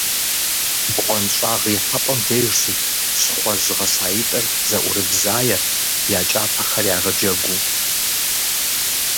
БгъуэнщӀагъ ихьэпӀэм деж щыт щхъуэжь гъэсаитӀыр зэӀурыбзаерт, я кӀапэхэр ягъэджэгуу.